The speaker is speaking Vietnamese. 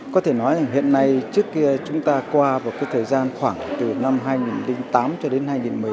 có thể nói rằng hiện nay trước kia chúng ta qua vào cái thời gian khoảng từ năm hai nghìn tám cho đến hai nghìn một mươi